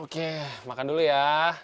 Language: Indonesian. oke makan dulu ya